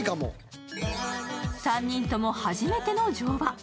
３人とも初めての乗馬。